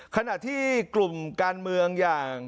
ขณะที่กลุ่มการเมืองอย่าง